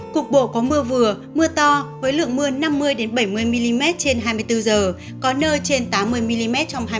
cục bộ có mưa vừa mưa to với lượng mưa năm mươi bảy mươi mm trên hai mươi bốn h có nơi trên tám mươi mm trong hai mươi